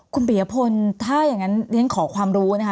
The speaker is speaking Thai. คุณผิวพลถ้าอย่างนั้นขอความรู้นะคะ